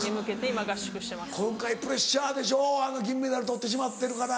今回プレッシャーでしょ銀メダル取ってしまってるから。